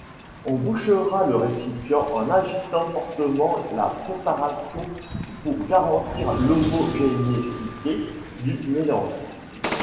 On bouchera le récipient en agitant fortement la préparation pour garantir l'homogénéité du mélange.